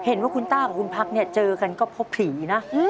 เห็นว่าคุณต้ากับคุณพักเนี่ยเจอกันก็เพราะผีนะ